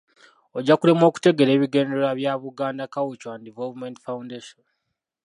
Ojja kulemwa okutegeera ebigendererwa bya Buganda Cultural And Development Foundation.